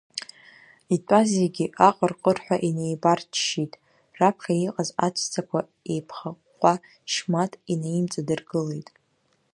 Итәаз зегьы аҟырҟырҳәа инеибарччеит, раԥхьа иҟаз аҵәцақәа еиԥхаҟәҟәа Шьмаҭ инаимҵадыргылеит.